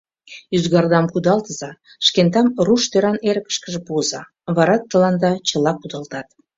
Ӱзгардам кудалтыза, шкендам руш тӧран эрыкышкыже пуыза, вара тыланда чыла кудалтат.